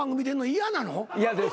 嫌です。